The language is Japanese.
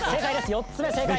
４つ目正解